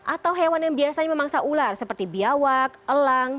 atau hewan yang biasanya memangsa ular seperti biawak elang